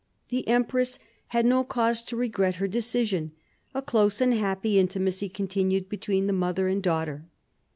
The empress had no cause to regret her decision. A close and happy intimacy continued between the mother and daughter.